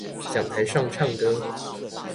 講台上唱歌